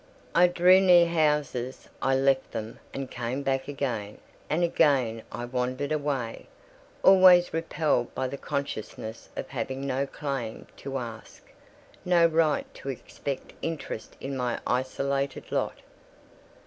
I drew near houses; I left them, and came back again, and again I wandered away: always repelled by the consciousness of having no claim to ask—no right to expect interest in my isolated lot.